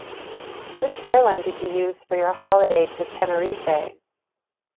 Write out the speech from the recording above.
Which airline did you use for your holiday to Tenerife?